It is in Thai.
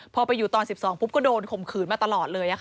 พอไปอยู่ตอนสิบสองภูมิก็โดนข่มขืนมาตลอดเลย